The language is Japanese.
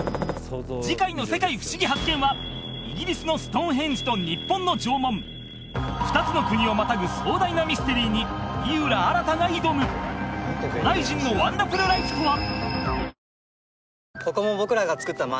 次回の「世界ふしぎ発見！」はイギリスのストーンヘンジと日本の縄文２つの国をまたぐ壮大なミステリーに井浦新が挑む古代人のワンダフルライフとは！？